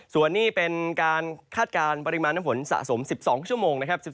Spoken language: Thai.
ส่วนนี้เป็นการคาดการณ์ปริมาณน้ำฝนสะสม๑๒ชั่วโมงนะครับ